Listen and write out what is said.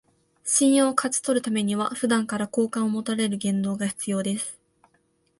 信用を勝ち取るためには、普段から好感を持たれる言動が必要です